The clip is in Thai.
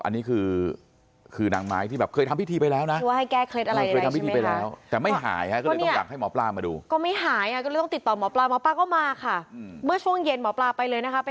อันนี้คือบ้านเก่านะหิติไปดูที่ไม่ได้เอากลับมา